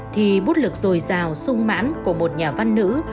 thì bút lực dồi dào sung mãn của một nhà văn nữ